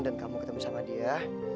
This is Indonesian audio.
dan kamu ketemu sama dia